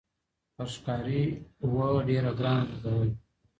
پر ښکاري وه ډېر ه ګرانه نازولې